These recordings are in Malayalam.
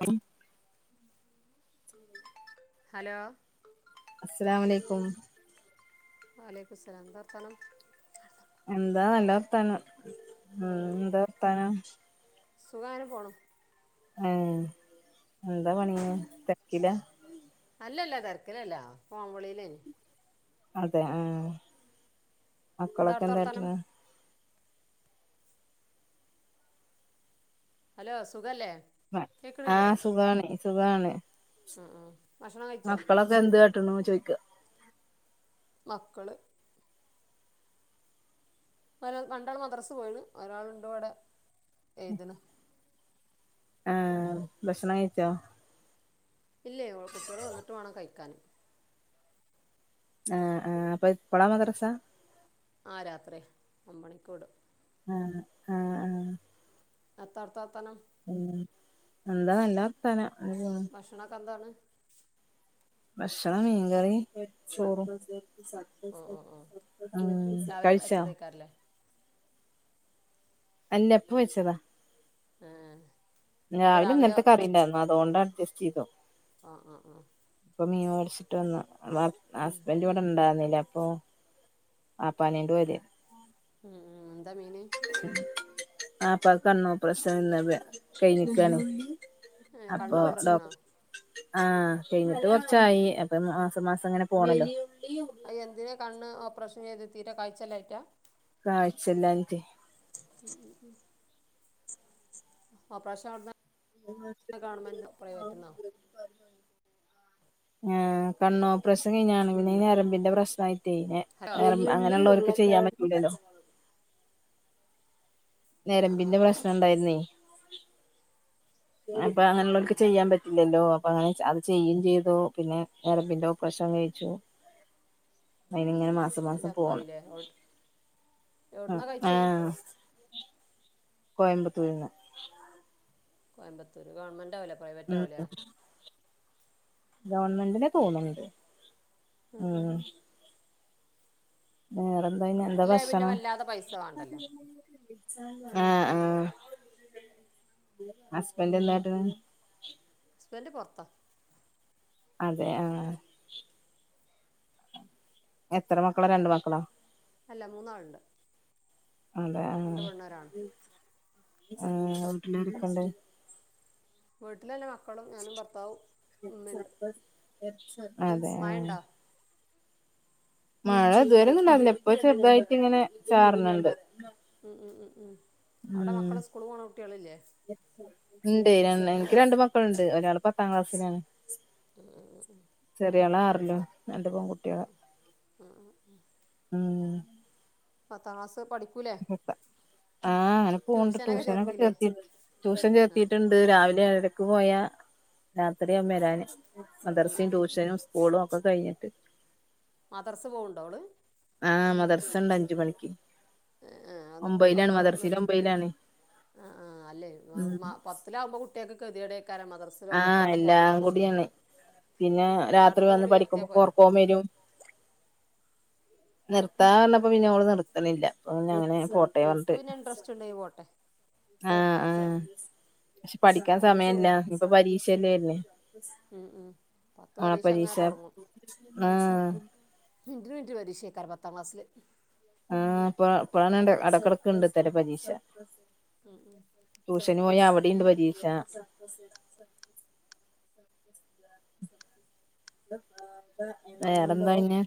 ഉ ഹലോ അസ്സലാമു അലൈക്കും. അലൈക്കുമുസ്സലാം എന്താ വർത്താനം. എന്താ നല്ല വർത്താനം ഉം ഉം ഉം എന്താ വർത്താനം സുഖാ അങ്ങനെ പോണു. ഏഹ് എന്താ പണീ തെരക്കിലാ അല്ലല്ല തെരക്കിലല്ലാ ഫോൺ വിളിയിലേനി അതെ ആഹ് മക്കളൊക്കെ അവിടുത്തെ എന്താ വർത്താനം കാട്ടണെ ഹലോ സുഖല്ലേ? കേൾക്കണില്ലേ ആഹ് സുഖാണ് സുഖാണ് ഉം ഉം ഭക്ഷണം കഴിച്ചോ മക്കളൊക്കെ എന്തു കാട്ടണു ചോദിക്കാ മക്കള് ഇപ്പോ ഒരാൾ രണ്ടാള് മദ്രസ്സ് പോയിണ് ഒരാളുണ്ട് ഇവിടെ എഴുതണ് ആഹ് ഭക്ഷണം കഴിച്ചോ? ഇല്ലേ കുട്ട്യേള് വന്നിട്ട് വേണം കഴിക്കാന് ആഹ് ആഹ് അപ്പൊ ഇപ്പളാ മദ്രസ്സാ ആഹ് രാത്രിയാ ഒമ്പണിക്ക് വിടും ആഹ് ആഹ് ആഹ് ഏത്താ ആട്ത്തെ വർത്താനം ഉം എന്താ നല്ല വർത്താനം [unintelligible] ദക്ഷണക്കെ എന്താണ്? ഭക്ഷണം മീൻകറിം ചോറും ഓ ഓ ഓ ഉം രാവിലെ കഴിച്ചോ? വെച്ചതേക്കാരല്ലേ അഴ ഇപ്പം വെച്ചതാ ഏഹ് രാവിലെ ഇന്നലത്തെ കറിയിണ്ടായിരുന്നു അതുകൊണ്ട് അഡ്ജസ്റ്റ് ചെയ്തു ആഹ് ആഹ് ആഹ് ഉപ്പ മീൻ വേടിച്ചിട്ട് വന്നു [unintelligible] ഹസ്ബൻഡ് വന്ന് ഇണ്ടായിരുന്നില്ല അപ്പൊ ആപ്പാനേണ്ട് പോയതേ ഉം ഉം എന്താ മീന്? ആപ്പാക്ക് കണ്ണോപ്രേഷൻ [unintelligible] കയിഞ്ഞക്കാണെ ഏഹ് അപ്പൊ കണ്ണ് ഓപ്പറേഷനോ ഡോക് ആഹ് കയിഞ്ഞിട്ട് കൊറച്ചായി അപ്പൊ മാസം മാസം ഇങ്ങനെ പോണല്ലോ ആഹ് എന്തിനാ കണ്ണ് ഓപ്പറേഷൻ ചെയ്തെ തീരെ കാഴ്ച്ച ഇല്ലാഞ്ഞിട്ടാ കാഴ്ച്ചല്ലാഞ്ഞിട്ടെ ഉം ഉം ഉം അ പക്ഷെ അവിടുന്ന് ഗവൺമെന്റ് പ്രൈവറ്റ്ന്നോ [inaudible] ഏഹ് കണ്ണോപ്രേഷൻ കഴിഞ്ഞാണ് പിന്നെ ഈ ഞരമ്പിന്റെ പ്രശ്‌നായിറ്റെ ഹലോ [unintelligible] ഞരമ്പ് അങ്ങനെയ്‌ള്ളോല്ക്ക് ചെയ്യാൻ പറ്റൂലല്ലോ ആഹ് ആഹ് ഞെരമ്പിന്റെ ആഹ് പ്രശ്നം ആഹ് ഇണ്ടായിരുന്നേ അപ്പൊ അങ്ങനെയുള്ളോല്ക്ക് ആഹ് ചെയ്യാൻ പറ്റ് ഇല്ലല്ലോ അപ്പൊ അങ്ങനെ ച അത് ചെയ്യേം ചെയ്തു പിന്നെ ഞരമ്പിൻ്റെ ഓപ്രഷോം കഴിച്ചു അയിന് ഇങ്ങനെ മസ് അടുത്ത മാസം എല്ലാം പോണം ഒപ്പായില്ലേ എവ് അ എവിടുന്നാ കഴിച്ചേ ആഹ കോയമ്പത്തൂരൂന്ന് കോയമ്പത്തൂർ ഗവൺമെന്റവല്ലേ പ്രൈവറ്റ് ആവൂലേ ഗവണ്മെന്റനെ പൈ തോന്നണ്ട് ഉം വേറെ ഗവൺമെന്റലായ പിന്നെ വല്ലാത പൈസ വേണ്ടല്ലോ ആഹ ആഹ ഹസ്ബൻഡ എന്താ ട്ട ഹസബന്റ് പൊറത്താ അതെ ആഹ എത്ര മക്കളാ രണ്ട് മക്കളോ? അല്ല മൂന്നാളുണ്ട് അതെ ആ രണ്ട് പെണ്ണൊരാണും ആ വീട്ട്ലാരൊക്കെണ്ട് വീട്ടില് ൻ്റെ മക്കളും ഞാനും ഭർത്താവും ഉമ്മിണ്ട്. അതെ ആഹ് മഴണ്ടോ? മഴ ഇതുവരെ ന്നു ഇണ്ടാവില്ല ഇപ്പ ചെറുതായിട്ട് ഇങ്ങനെ ചാർണ് ണ്ട് ഉം ഉം ഉം അവിടെ മക്കൾ സ്കൂൾ പോക്ണ കുട്ടികളില്ലേ? ഉണ്ട് ര എനിക്ക് രണ്ട് മക്കളുണ്ട് ഒരാള് പത്താം ക്ലാസ്സിലാണ്. [unintelligible] ചെറിയോൾ ആറിലും രണ്ട് പെൺകു [unintelligible] ഉം പത്താം ക്ലാസ് പഠിക്ക [unintelligible] ആഹ് അങ്ങനെ പോക്ണ്ട് ട്യൂഷനൊക്കെ ചേർത്തി ട്യൂഷൻ ആ ഉം ചേർത്തിട്ടുണ്ട് രാവിലെ ഏഴ ക്ക് പോയാ രാത്രി ആവും വരാന് മദർസയും, ഉം ഉം ട്യൂഷനും, സ്കൂളും ഒക്കെ കഴിഞ്ഞിട്ട് മദർസ് പോവുണ്ടോ ഓള്? ആഹ മദർസ് ഉണ്ട് അഞ്ച് മണിക്ക് ഏ നിർത്തി ഒമ്പയിലാണ് ങ്ങള് മദർസയില് നിർത്ത ഒമ്പയിലാണ് ആ ആ് അല്ലേ ഉം [unintelligible] ത്തിലാവുമ്പോൾ കുട്ടൾക്ക് കതിടേക്കാരം മദ്രസ് ആഹ എല്ലാം കൂടിയാണ് പിന്നെ എന്നാ രാത്രി അടുത്ത വന്ന് കുറി ചേർത്തിയാ പഠിക്കുമ്പോ പോരെ കൊറക്കം വരും. നിർത്താ പറഞ്ഞപ്പോ പിന്നെ നാള നിർത്ത്ണില്ല പ്പ അങ്ങനെ ആ പോട്ടേ ഓക്ക് പറഞ്ഞിട്ട് പിന്നെ ഇൻട്രസ്റ്റ് ഉണ്ടേ പോട്ടെ ആഹ ആഹ പക്ഷെ പഠിക്കാൻ ഓൽക്ക് സമയല്ല ഇപ്പൊ പരീക്ഷല്ലേ വര്ണ ഉം ഉം പത്ത് ആഹ് അങ്ങനെ പരീക്ഷ തൊടങ്ങും ആഹ് മിന് റ്റിന് മിന് റ്റിന് പരീക്ഷക്കാരം പത്താംക്ലാസില് ആ പ്പ [unintelligible] അടക്കടക്കുണ്ട് ഇതര പരീക്ഷ ഉം ഉം ട്യൂഷന് പോയാ അവിടെണ്ട് പരീക്ഷ [inaudible] വേറെന്താ പിന്നെ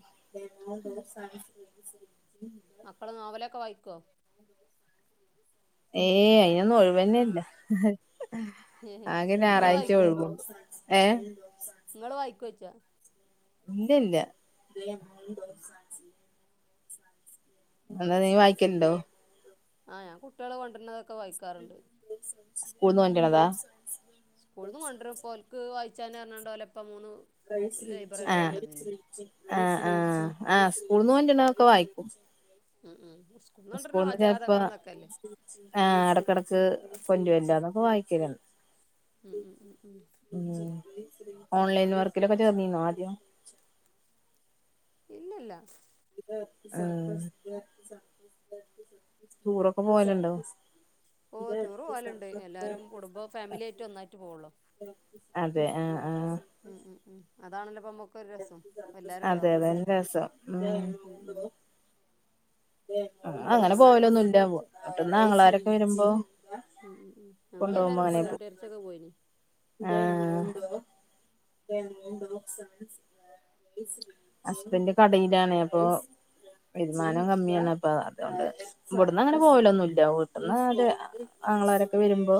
മക്കള് നോവലൊക്കെ വായിക്കെ ഏയ് അയിനൊന്നും ഒഴുവൊന്നല്ല ആകെ ഇങ്ങള് ഞായറാഴ്ച വായിക്കോ ഒഴിവും ഏഹ് ഇങ്ങള് വായിക്കെ ച്ചാ? ഇല്ലില്ല എന്താ നീ വായിക്കൽണ്ടോ? ആഹ് ഞാൻ കുട്ടികള് കൊണ്ട് വരുന്നതൊക്കെ വായിക്കാറുണ്ട്. സ്കൂള്ന്ന് കൊണ്ടര്ണതാ സ്കൂള് നിന്ന് കൊണ്ടരും അപ്പം ഓല്ക്ക് വായിച്ചാനപറ്ഞ്ഞാണ്ട് ഓലപ്പ മൂന്ന് ലൈബ്രറി ആഹ് കൊണ്ടന്നീനി ആഹ് ആഹ് ആ സ്കൂള്ന്ന് കൊണ്ട് വരുന്നതൊക്കെ വായിക്കും. ഉം ഉം സ്‌കൂള്ന്ന് കൊണ്ട് വര്ണ ഹോജ കഥകളു തെ ക്കല്ലെ ആഹ് ഇടക്കിടക്ക് കൊണ്ട് വരുണ്ട് അതൊക്കെ വായിക്കലാണ് ഉം ഉം ഉം ഉം ഓൺലൈൻ വർക്കിലൊക്കെ ചേർന്നീന്നോ ആദ്യം ഇല്ലില്ല ആഹ് ടൂറൊക്കെ പോവലുണ്ടോ ഓ ടൂർ പോവലുണ്ട് എല്ലാരും കുടുംബ ഫാമിലി ആയിട്ട് ഒന്നായിട്ട് പോവുള്ളു അതെ ആഹ് ആഹ് ഉം ഉം ഉം അതാണല്ലോ ഇപ്പം മു ഒക്കെ ഒരു രസം എല്ലാരും അതെ ഉണ്ടാവുമ്പളെ അതന്നെ രസം ഉം ഉം ആഹ് അങ്ങനെ ഞങ്ങള് പോവലൊന്നും കൊണ്ടോട്ടി ഇല്ല എറച്ചി വീട്ടീന്ന് ഉം ആങ്ങളരൊക്കെ വരുമ്പോ ഉം ഉം ഉം ഞങ്ങൾ കൊണ്ടോവുമ്പോ എല്ലാരും അങ്ങനെ കൊണ്ടോട്ടി പോവും യേർച്ചക്കൊക്കെ പോയിന് ആഹ് ഹസ്ബൻഡ് കടയിലാണ് അപ്പൊ വരുമാനം കമ്മിയാണ് അപ്പം അതുകൊണ്ട് ഇവിടന്ന് അങ്ങനെ ഉം ഉം ഉം പോവലൊന്നും ഇല്ല വീട്ടിന്ന് അ ആങ്ങളമാരൊക്കെ വരുമ്പോ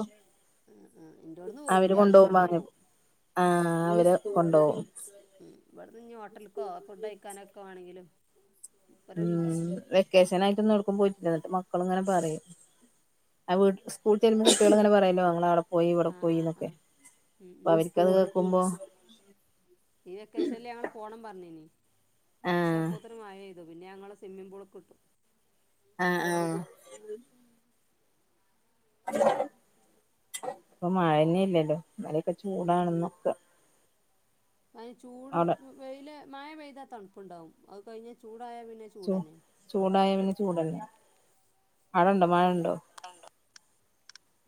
ആഹ് ആഹ് എൻ്റോട്ന്ന് അവര് പോവൂല കൊണ്ടോവുമ്പോ വെടുന്ന് അങ്ങനെ പോവും ആഹ് അവര് കൊണ്ടോവും ഉം ഇവിടുന്ന് ഇഞ് ഹോട്ടൽക്കോ ഫുഡയിക്കാനൊക്കെ ആണെങ്കിലും ഉം വെക്കേഷൻ ആയിട്ടൊന്ന് ഏട്ക്കും പോയിട്ടില്ല എന്നിട്ട് മക്കള് ഇങ്ങനെ പറയും ആഹ് വീട്ട് ന് സ്കൂള് വിട്ട് ചെല്ലുമ്പോ കുട്ടികള് അങ്ങനെ പറയുവല്ലോ ഞങ്ങളവിടെ പോയി ഇവിടെ ആഹ് ആഹ് പോയീന്നൊക്കെ ആഹ് ഉം അപ്പൊ ഉം അവർക്കത് കേക്കുമ്പോ ഈ വെക്കേഷനിൽ ഞങ്ങള് പോണം പറഞ്ഞിനി പക്ഷേ ആഹ് അപ്പോത്തെന് മഴ പെയ്തു പിന്നെ ഞങ്ങൾ സ്വിമ്മിഗ് പൂൾക്ക് വിട്ടു ആഹ് ആഹ് ഇപ്പൊ മഴ ഇല്ലല്ലോ [unintelligible] ഉം ഉം ചൂടാണെന്നൊക്കെ അതിന് അവിടെ ചൂടെടുത്ത് വെയില് മഴ പെയ്താൽ തണുപ്പുണ്ടാവും അത് കഴിഞ്ഞാ ചൂടായാ പിന്നെ ചൂ ചൂട് തന്നെയാണ് ചൂടായ പിന്നെ ചൂട് തന്നെയാ മഴയുണ്ടോ മഴയുണ്ടോ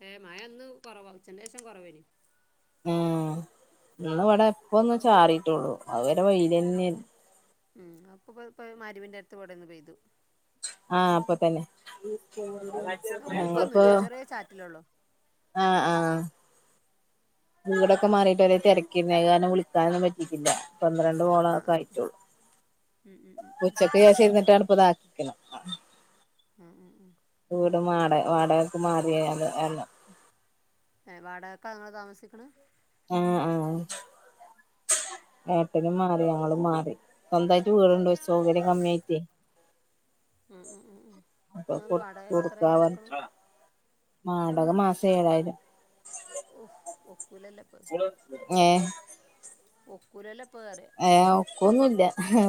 ഏഹ് മഴ ഇന്ന് കൊറവാ ഉച്ചൻ്റേഷം കുറവേനി ഉം ഞങ്ങള് ഇവിടെ ഇപ്പം ഒന്ന് ചാറിട്ടുള്ളൂ അതുവരെ വെയില് തന്നെ ആയിരുന്ന് ഉം അപ്പ [unintelligible] മാരുവിന്റെ അടുത്ത് ഇവിടുന്ന് പെയ്തു ആഹ് അപ്പൊ പിന്നെ ഉം ഉം ഞങ്ങളിപ്പൊ ഊക്കൊന്നുമില്ല ചെറിയ ചാറ്റലേ ഉള്ളൂ ആഹ് ആഹ് വീടൊക്കെ മാറിയിട്ട് ഒരേ തെരക്കെന്നെ അയ് കാരണം വിളിക്കാനൊന്നും പറ്റിട്ടില്ല പന്ത്രണ്ട് ആഹ് കോളക്ക ആഹ് യിട്ടുള്ളൂ ഉം ഉം ഉം ഉം ഉച്ച [unintelligible] ഇപ്പൊ ഇതാക്കിക്കണം മം ഉം ഉം വൂട് മാറി വാടകക്ക് മാറി അത് എല്ലം ഏഹ് വാടകക്ക ഇങ്ങള് താമസിക്കണ് ആഹ് ആഹ് ഏട്ടനും മാറി ഞങ്ങളും മാറി സ്വന്തായിട്ട് വീടുണ്ട് സൗകര്യം കമ്മിയായിട്ട് ഉം ഉം ഉം ഉം അപ്പൊ ഇങ്ങള് കൊ വാടകയൊക്കെ കൊടുക്ക എത്രയാ കൊടുക്കണെ [inaudible] വാടക മാസം ഏഴായിരം ഓഹ് ഒക്കൂലല്ലോ ങേഹ് ഒക്കൂലല്ലപ്പൊറിയാ ഏ ഒക്കൊന്നുല്ല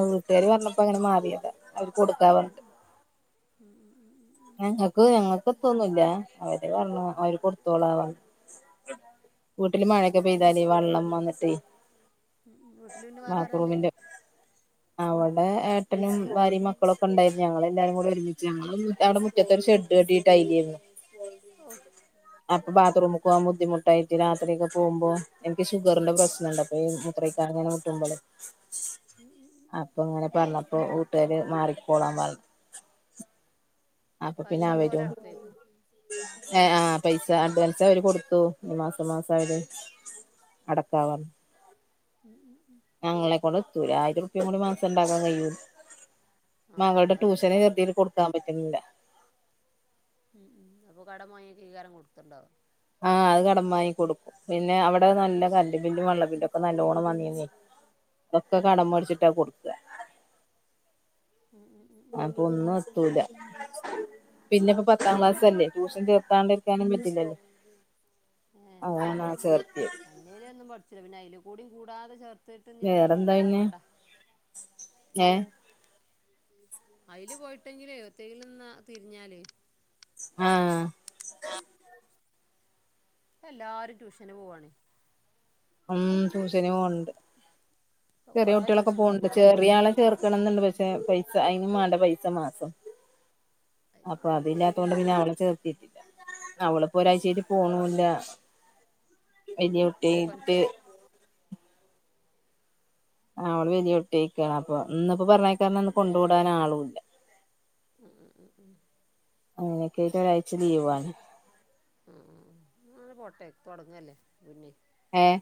വീട്ടുകാര് പറഞ്ഞപ്പോ അങ്ങനെ മാറിയതാ അവര് കൊടുക്കാ മ്മ് പറഞ്ഞിട്ട് മ്മ് മ്മ് മ്മ് മ്മ് ഞക്ക് ഞങ്ങൾക്ക് എത്തൊന്നുല്ലാ അവര് പറാഞ്ഞു അവര് കൊട് കൊട്ത്തോളാ വീട്ടില് മഴക്കെ പെയ്താല് വള്ളം വന്നിട്ടേയ് വീട്ടിൽ പിന്നെ വേറാരാല്ലെ [inaudible] അവടെ ഏട്ടനും ഭാര്യയും മക്കളോക്കെ ഉണ്ടായി ഞങ്ങളെല്ലാരും കൂടെ ഒരുമിച്ച് അവിടെ മുറ്റത്തൊരു ഒരു ഷെഡ് കെട്ടിട്ട് അയിലേരുന്നു ഓഹ് അപ്പൊ ബാത്റൂമ്ക്ക് പോകാൻ ബുദ്ധിമുട്ടായിട്ട് രാത്രി ഒക്കെ പോകുമ്പോ എനിക്ക് ഷുഗറിന്റെ ഉം പ്രശ്നംണ്ട് മുത്രയ്ക്കാൻങ്ങനെ മുട്ടുമ്പോലെ അപ്പൊ ഇങ്ങനെ പറഞ്ഞപ്പോ ട്ടര് മാറിക്കോളാൻ പറ അപ്പൊ പിന്നെ പൈസങ്ങട്ട് ഓല് അവരും അടക്കുവായിരിക്കും ഏഹ് ആഹ് പൈസ അഡ്വാൻസ് അവര് കൊടുത്തു ഈ മാസം മാസം അവര് അടക്കാ പറഞ് ഉം ഉം ഉം ഞങ്ങളെ കൊണ്ടെത്തുല ആയിരം റൂപിയേം കൂടി മാസം ഉണ്ടാക്കാൻ കയ്യൂ ആഹ് മകടെ അതാണേ ട്യൂഷന് ചേർത്തിയെന് കൊടുക്കാൻ പറ്റുന്നില്ല ഉം ഉം അപ്പൊ കടം വാങ്ങി കീകാരം കൊടുത്തുണ്ട ആഹ് അത് കടം വാങ്ങി കൊടുക്കും പിന്നെ അവിടെ നല്ല കല്ല് ബില്ലും വെള്ളബില്ലോക്കെ നല്ലോണം വന്നിന്നീ ഇതൊക്ക ഉം കടംമേടിച്ചിട്ടാ കൊടുക്ക ഉം ഉം ഉം ഉം അപ്പൊ ഒന്നും എത്തൂല പിന്നിപ്പാ പത്താം ക്ലാസ്സ് അല്ലേ ട്യൂഷൻ ചേർത്താണ്ടരിക്കാനും പറ്റില്ലല്ലോ അതാണാ ചേർത്തിയെ അല്ലേലും ഒന്നും പഠിച്ചുല പിന്നെ അയിലുക്കുടിം കൂടാതെ ചേർത്തിട്ട് ഒത്തും ഇല്ലാതാവണ്ട ഏഹ് അയില് പോയിട്ടെങ്കിലേ [unintelligible] ന്നാ തിരിഞ്ഞാല് ആഹ് എല്ലാരും ട്യൂഷന് പോവാണ് ഉം ട്യൂഷന് പോണുണ്ട് ഇപ്പൊ ചെറിയ കൊറേ കുട്ട്യാളൊക്കെ ട്യൂഷൻ പോണ്‌ണ്ട് സെന്ററുണ്ട് ചെറിയ ആളെ ചേർക്കണംന്നുണ്ട് പക്ഷെ പൈസ അയിനും വേണ്ടെ പൈസ മാസം അതിന് അപ്പൊ വേണം അതില്ലാത്തൊണ്ട് പിന്നാ അവള ചേർത്തിട്ടില്ല അവള് പ്പ ഉം ഉം ഒരാഴ്ചയിട്ട് പോണുല്ല വലിയ എന്തേ കുട്ട്യായിട്ട് പനിച്ചോ ആഹ് അവള് വലിയകുട്ടി ആയിക്കാണ് അപ്പൊ ഇന്ന് ഇപ്പൊ പറഞ്ഞയക്കാന്ന് ഇന്ന് ആഹ് കൊണ്ടുവിടാൻ ആളൂല്ല ഉം ഉം ഉം ഉം അങ്ങനെക്കായിട്ട് ഒരാഴ്ച ലീവാണ് ഉം ഉം ഉം അങ്ങനെ പോട്ടെ തുടങ്ങല്ലേ പിന്നെ ഏഹ്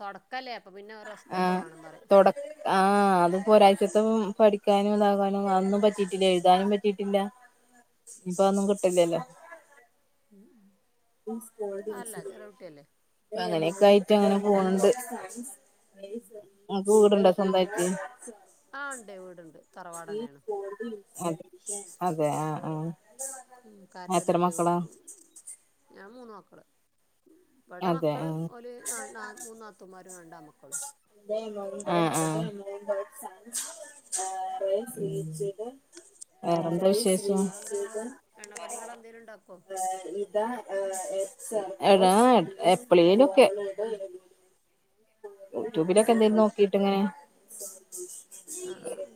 തുടക്കല്ലേ അപ്പം പിന്നെ ഒരു റസ്റ്റൊക്കെ ആഹ് വേണം പറയാ തൊട ആഹ് അതിപ്പോ ഒരാഴ്ചത്തെം പഠിക്കാനും ഇതാകാനും അതൊന്നും പറ്റിയിട്ടില്ല എഴുതാനും പറ്റിട്ടില്ല ഇപ്പാ അതൊന്നും കിട്ടില്ലല്ലോ ഉം അല്ല ചെറിയകുട്ടിയല്ലേ അങ്ങനെക്കായിട്ട് അങ്ങനെ പോണ്‌ണ്ട് ഉം ഉം നിങ്ങക്ക് വീടുണ്ട സ്വന്തായിട്ട് ആഹ് ഉണ്ട് വീടുണ്ട് തറവാടന്നെയാണ് അതെ ആഹ് ആഹ് ഉം എത്ര മക്കളാ കാരനോരുണ്ട്ലും ഞാൻ മൂന്ന് മക്കള് ഇവടെ അതെ മക്കൾ ആഹ് ഒല് നാ നാ മൂന്നാത്തുമ്മാരും രണ്ടാണ്മക്കള് ഉം ഉം ഉം വേറെന്താ വിശേഷം വേറെന്താ ഇങ്ങള് എണ്ണക്കടികളെന്തേലും ഇണ്ടാക്കോ എടാ എപ്പളേലോക്കെ ആഹ് യൂട്യൂബിലൊക്കെ ആഹ് ആഹ് എന്തേലും നോക്കിട്ട് ഇങ്ങനെ ആ ആ ആ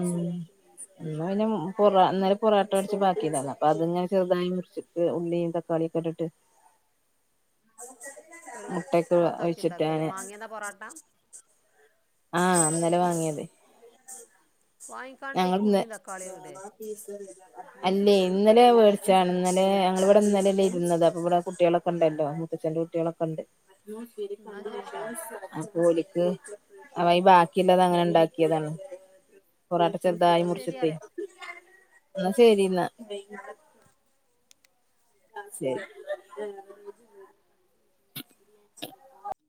ആഹ് ന്ന പിന്നേം പൊറ അന്നേം പൊറോട്ട അടിച്ച് ബാക്കിന്ന് അപ്പൊ അത് ഞാൻ ചെറുതായി മുറിച്ചു ഉള്ളിം തക്കാളിയകെട്ടിട്ട് ഒരു ഒഴിച്ചിട്ട് കൊത്താക്കിണ്ടാക്കുകല്ലേ അങ്ങനെ മാങ്ങിയന്ന പൊറാട്ട ആഹ് ന്നലെ വാങ്ങിയത് വാങ്ങിക്കാണ്ട് അയ്ക്ക് ഞങ്ങന്ന് ഉള്ളിയും തക്കാളിയും ഇടേ [inaudible] അല്ലേ ഇന്നലെ വേടിച്ചാണ് ന്നലെ ഞങ്ങവിടെന്നലെയല്ലേ ഇരുന്നത് അപ്പ വിടെ കുട്ടികളൊക്കെ ഉണ്ടല്ലോ തച്ചഛന്റെ കുട്ടികളൊക്ണ്ട് എന്നാൽ ശരിട്ടോ [inaudible] ഓല്ക്ക് അവ ഈ ബാക്കിള്ളതങ്ങനെ ണ്ടാക്കിയതാണ് പൊറാട്ട ചെറുതായി എന്നാൽ ശരി മുറിച്ചട്ടേ പറയാം ന്നാ ശരിന്നാ ആഹ് ശരി ആഹ് [inaudible]